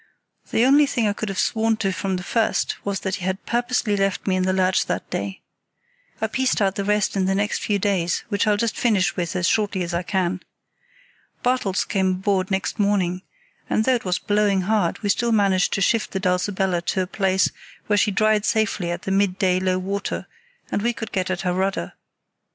The only thing I could have sworn to from the first was that he had purposely left me in the lurch that day. I pieced out the rest in the next few days, which I'll just finish with as shortly as I can. Bartels came aboard next morning, and though it was blowing hard still we managed to shift the Dulcibella to a place where she dried safely at the midday low water, and we could get at her rudder.